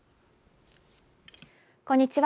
こんにちは。